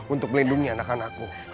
untuk melindungi anak anakku